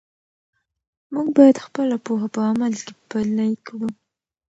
موږ باید خپله پوهه په عمل کې پلی کړو.